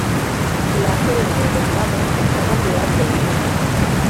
La sede de condado está en la Ciudad de Hilo.